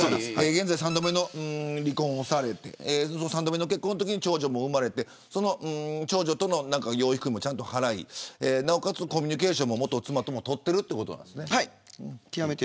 現在３度目の離婚をされて３度目の結婚で長女も生まれて長女との養育費も払いなおかつ、コミュニケーションも元妻とも取っているということですね。